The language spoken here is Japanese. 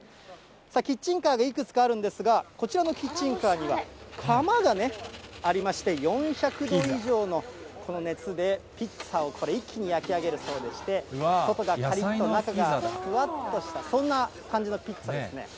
キッチンカーでいくつかあるんですが、こちらのキッチンカーには窯がありまして、４００度以上の熱でピッツァをこれ、一気に焼き上げるそうでして、外がかりっと、中がふわっとしたそんな感じのピッツァですね。